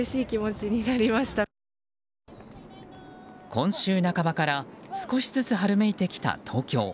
今週半ばから少しずつ春めいてきた東京。